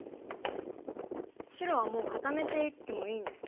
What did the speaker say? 白はもう固めていってもいいんですね。